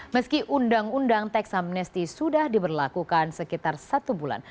meski undang undang teks amnesti sudah diberlakukan sekitar satu bulan